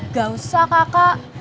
gak usah kakak